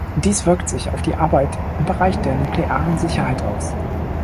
Dies wirkt sich auf die Arbeit im Bereich der nuklearen Sicherheit aus.